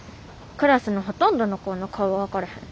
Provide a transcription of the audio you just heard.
クラスのほとんどの子の顔分からへん。